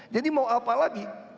jadi mau apa lagi